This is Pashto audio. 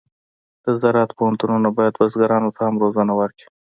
د زراعت پوهنتونونه باید بزګرانو ته هم روزنه ورکړي.